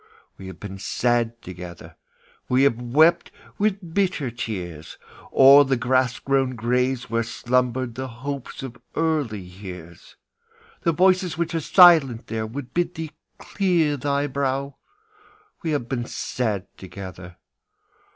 We have been sad together; We have wept with bitter tears O'er the grass grown graves where slumbered The hopes of early years. The voices which are silent there Would bid thee clear thy brow; We have been sad together.